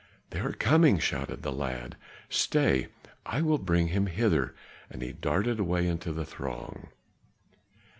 "They are coming!" shouted the lad. "Stay! I will bring him hither," and he darted away into the throng.